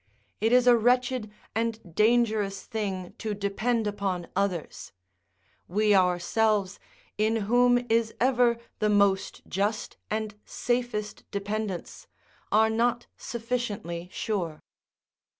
It is a wretched and dangerous thing to depend upon others; we ourselves, in whom is ever the most just and safest dependence, are not sufficiently sure.